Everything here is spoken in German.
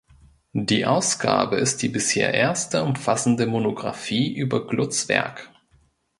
Die Ausgabe ist die bisher erste umfassende Monographie über Glutz’ Werk.